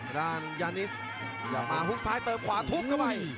ยานิสอย่ามาฮุกซ้ายเติมขวาทุบเข้าไป